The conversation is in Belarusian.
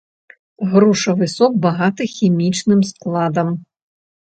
Грушавы сок багаты хімічным складам.